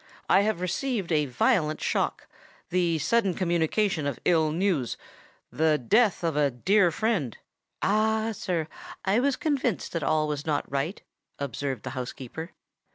I have received a violent shock—the sudden communication of ill news—the death of a dear friend——" "Ah! sir, I was convinced that all was not right," observed the housekeeper.